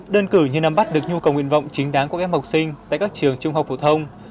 đơn cử như nắm bắt được nhu cầu nguyện vọng chính đáng của các em học sinh tại các trường trung học phổ thông